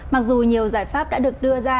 mặc dù nhiều giải pháp đã được đưa ra